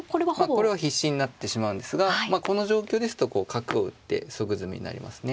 これは必至になってしまうんですがこの状況ですとこう角を打って即詰みになりますね。